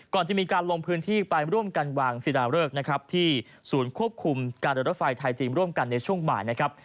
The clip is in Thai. ก่อนจะมีการลงพื้นที่ไปร่วมกันวางศิราเริกนะครับที่ศูนย์ควบคุมการเดินรถไฟไทยจีนร่วมกันในช่วงบ่ายนะครับ